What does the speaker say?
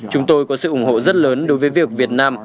chúng tôi có sự ủng hộ rất lớn đối với việc việt nam